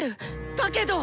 だけど！